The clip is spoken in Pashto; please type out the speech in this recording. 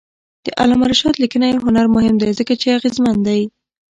د علامه رشاد لیکنی هنر مهم دی ځکه چې اغېزمن دی.